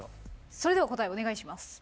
それでは答えお願いします。